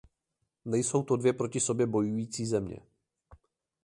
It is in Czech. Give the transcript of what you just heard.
Nejsou to dvě proti sobě bojující země.